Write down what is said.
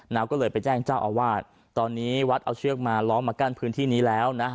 ก็เลยไปแจ้งเจ้าอาวาสตอนนี้วัดเอาเชือกมาล้อมมากั้นพื้นที่นี้แล้วนะ